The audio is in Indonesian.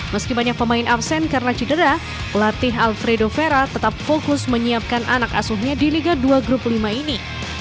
meski banyak pemain absen karena cedera pelatih alfredo vera tetap fokus menyiapkan anak asuhnya di liga dua grup lima ini